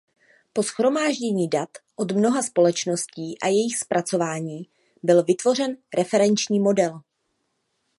Po shromáždění dat od mnoha společností a jejich zpracování byl vytvořen referenční model.